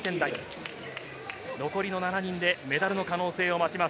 残りの７人でメダルの可能性を待ちます。